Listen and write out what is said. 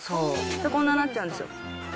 で、こんななっちゃうんです。